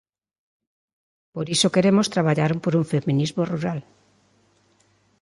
Por iso queremos traballar por un feminismo rural.